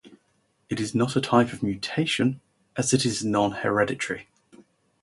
It is not a type of mutation, as it is non-hereditary.